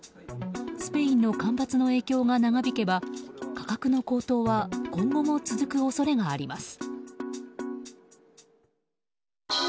スペインの干ばつの影響が長引けば価格の高騰は今後も続く恐れがあります。